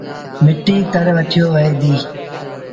مٽيٚ تر وٺيو ديٚ وهي۔